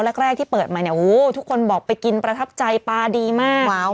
แรกที่เปิดมาเนี่ยโอ้โหทุกคนบอกไปกินประทับใจปลาดีมากว้าว